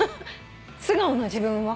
素顔の自分は？